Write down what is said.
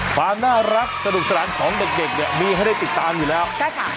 ความน่ารักสนุกสนานของเด็กเด็กเนี่ยมีให้ได้ติดตามอยู่แล้วใช่ค่ะ